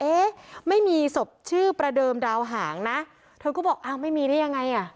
เอ๊ะไม่มีศพชื่อประเดิมดาวหางนะเธอก็บอกอ้าวไม่มีได้ยังไงอ่ะ